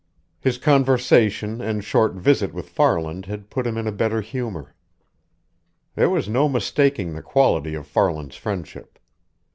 His conversation and short visit with Farland had put him in a better humor. There was no mistaking the quality of Farland's friendship.